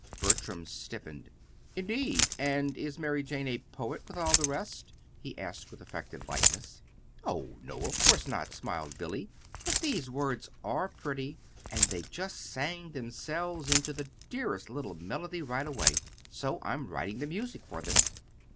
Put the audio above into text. Bertram stiffened. "Indeed! And is Mary Jane a poet, with all the rest?" he asked, with affected lightness. "Oh, no, of course not," smiled Billy; "but these words are pretty. And they just sang themselves into the dearest little melody right away. So I'm writing the music for them."